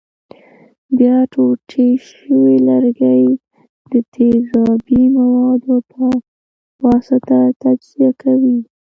بیا ټوټې شوي لرګي د تیزابي موادو په واسطه تجزیه کوي.